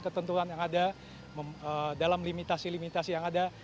ketentuan yang ada dalam limitasi limitasi yang ada